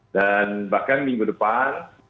dan bahkan minggu depan